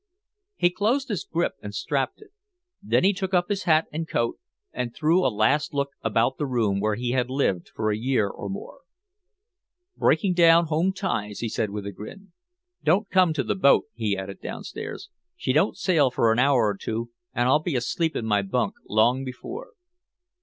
He closed his grip and strapped it. Then he took up his hat and coat and threw a last look about the room where he had lived for a year or more. "Breaking up home ties," he said with a grin. "Don't come to the boat," he added downstairs. "She don't sail for an hour or two and I'll be asleep in my bunk long before."